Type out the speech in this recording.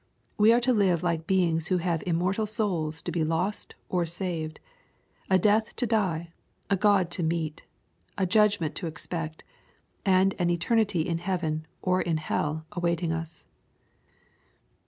We are to live like beings who have immortal souls to be lost or saved, — a death to die — a God to meet, — a judgment to expect, — and an ete' nity in heaven or in hell awaiting us.